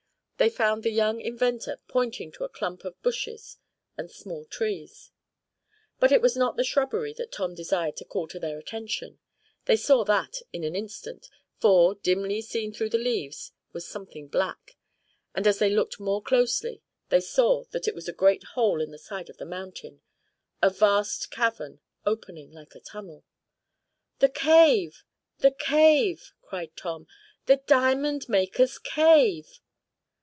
They found the young inventor pointing to a clump of bushes and small trees. But it was not the shrubbery that Tom desired to call to their attention. They saw that in an instant, for, dimly seen through the leaves, was something black, and, as they looked more closely, they saw that it was a great hole in the side of the mountain a vast cavern, opening like a tunnel. "The cave! The cave!" cried Tom. "The diamond makers' cave!"